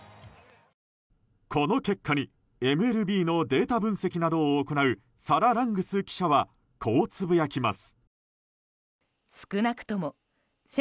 この結果にＭＬＢのデータ分析などを行うサラ・ラングス記者はこうつぶやきます。